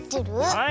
はい。